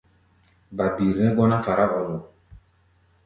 Babir nɛ́ gɔ́ná fará-ɔ-nu.